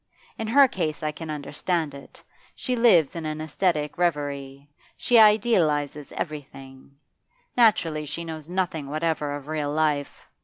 In her case I can understand it; she lives in an asthetic reverie; she idealises everything. Naturally she knows nothing whatever of real life.